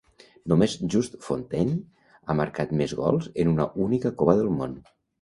Només Just Fontaine ha marcat més gols en una única Copa del Món.